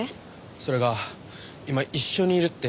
それが今一緒にいるって。